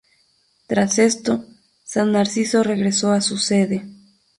Tras esto, San Narciso regresó a su sede.